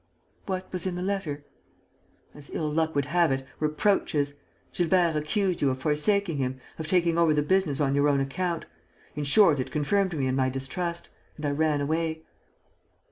"What was in the letter?" "As ill luck would have it, reproaches. Gilbert accused you of forsaking him, of taking over the business on your own account. In short, it confirmed me in my distrust; and I ran away."